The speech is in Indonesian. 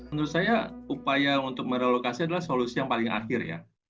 menurut saya upaya untuk merelokasi adalah solusi yang paling akhir ya